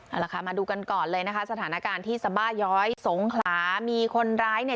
เอาล่ะค่ะมาดูกันก่อนเลยนะคะสถานการณ์ที่สบาย้อยสงขลามีคนร้ายเนี่ย